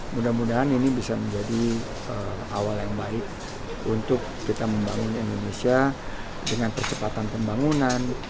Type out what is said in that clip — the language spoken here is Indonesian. mudah mudahan ini bisa menjadi awal yang baik untuk kita membangun indonesia dengan percepatan pembangunan